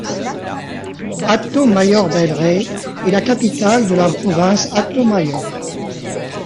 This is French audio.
Hato Mayor del Rey est la capitale de la province Hato Mayor.